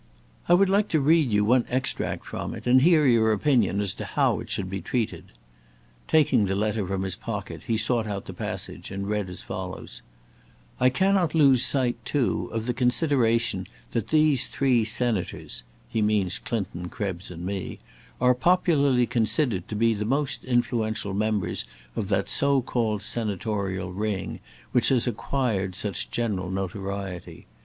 I would like to read you one extract from it, and hear your opinion as to how it should be treated." Taking the letter from his pocket, he sought out the passage, and read as follows: "'I cannot lose sight, too, of the consideration that these three Senators' (he means Clinton, Krebs, and me) are popularly considered to be the most influential members of that so called senatorial ring, which has acquired such general notoriety.